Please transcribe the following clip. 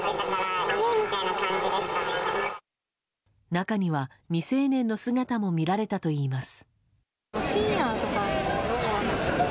中には、未成年の姿も見られたといいます。